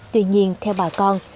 tuy nhiên theo bà con